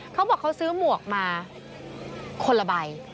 เขาบอกเขาซื้อหมวกมาคนละใบ